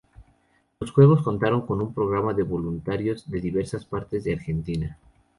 Los juegos contaron con un programa de voluntarios de diversas partes de Argentina.